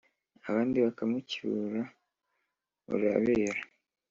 abandi bakamucyura urebera